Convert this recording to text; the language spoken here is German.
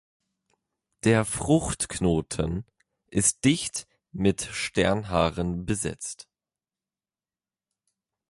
Der Fruchtknoten ist dicht mit Sternhaaren besetzt.